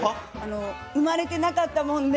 生まれてなかったもんで。